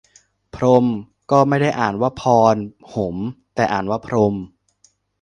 พรหม ก็ไม่ได้อ่านว่าพอน หม แต่อ่านว่าพรม